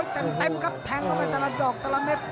เต็มครับแทงเข้าไปแต่ละดอกแต่ละเม็ด